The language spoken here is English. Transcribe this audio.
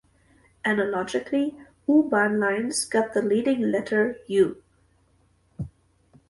Analogically, U-Bahn lines got the leading letter "U".